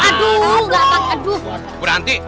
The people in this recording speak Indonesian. pak rt pak rt